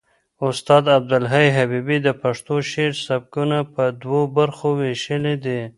استاد عبدالحی حبیبي د پښتو شعر سبکونه په دوو برخو وېشلي دي.